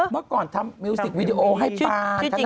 เมื่อก่อนทำมิวสิกวิดีโอให้ปานธนาภรณ์